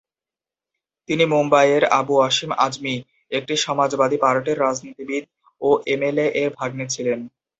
তিনি মুম্বাই এর আবু অসীম আজমি, একটি সমাজবাদী পার্টির রাজনীতিবিদ ও এমএলএ এর ভাগ্নে ছিলেন।